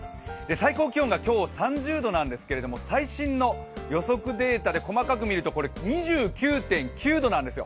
最高気温が今日、３０度なんですけれども最新の予測データで細かく見ると、２９．９度なんですよ。